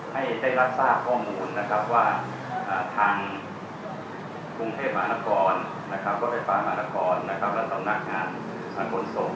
ให้เจ้ารักษาข้อมูลว่าทางกรุงเทพฯอาณาจรรย์กรุงเทพฯอาณาจรรย์และสำนักงานทางคนสม